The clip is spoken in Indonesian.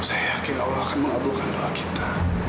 saya yakin allah akan mengabulkan doa kita